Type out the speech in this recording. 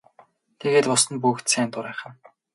Тэгээд бусад нь бүгд сайн дурынхан.